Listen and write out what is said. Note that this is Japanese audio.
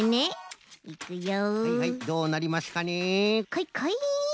こいこい。